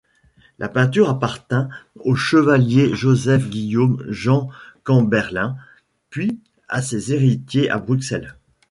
La peinture appartint au Chevalier Joseph-Guillaume-Jean Camberlyn puis à ses héritiers à Bruxelles.